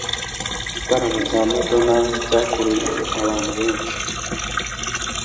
Igitaramo cya Madonna cyakuruye abantu benshi.